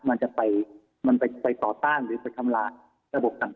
มันจะไปต่อต้านหรือไปทำละระบบต่าง